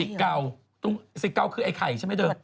สิกเก่าสิกเก่าคือไอ้ไข่ใช่ไหมเธอ